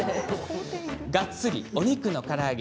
がっつりお肉のから揚げ。